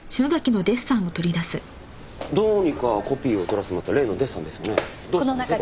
どうにかコピーを取らせてもらった例のデッサンですよね？